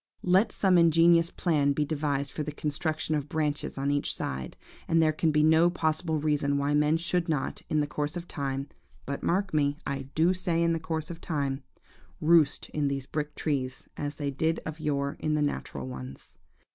Let some ingenious plan be devised for the construction of branches on each side, and there can be no possible reason why men should not, in the course of time–but, mark me–I do say in the course of time–roost in these brick trees, as they did of yore in the natural ones.